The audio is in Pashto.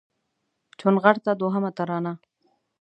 چونغرته دوهمه ترانه